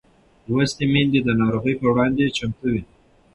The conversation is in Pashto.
لوستې میندې د ناروغۍ پر وړاندې چمتو وي.